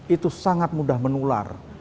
itu sangat mudah menular